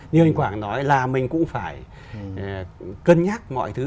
như anh quảng nói là mình cũng phải cân nhắc mọi thứ